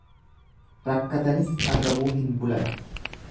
Rakkatanis agabuu hin bulan.